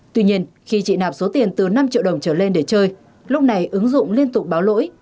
tuy nhiên khi chị nạp số tiền từ năm triệu đồng trở lên để chơi lúc này ứng dụng liên tục báo lỗi